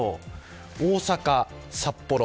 大阪、札幌。